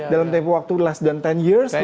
dalam tempoh waktu last sepuluh years